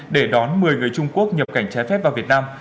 để đón một mươi người trung quốc nhập cảnh trái phép vào việt nam